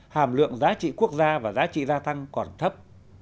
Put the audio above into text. hàm lượng giá trị quốc gia và giá trị gia tăng còn thấp